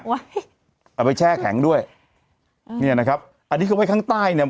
เอาไปแช่แข็งด้วยเนี่ยนะครับอันนี้เขาไว้ข้างใต้เนี่ย